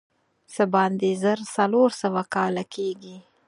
څه باندې زر څلور سوه کاله کېږي.